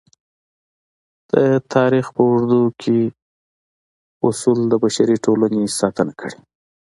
د تاریخ په اوږدو کې اصول د بشري ټولنې ساتنه کړې.